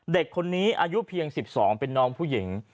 เด็กคนนี้อายุเพียง๑๒เป็นน้องผู้หญิง